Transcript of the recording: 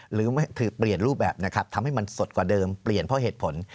หรือเปลี่ยนรูปแบบนะครับทำให้มันสดกว่าเดิมเปลี่ยนเพราะเหตุผล